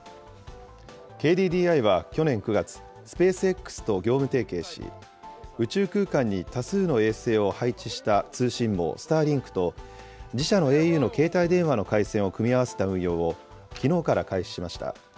ＫＤＤＩは去年９月、スペースＸと業務提携し、宇宙空間に多数の衛星を配置した通信網、スターリンクと、自社のａｕの携帯電話の回線を組み合わせた運用を、きのうから開始しました。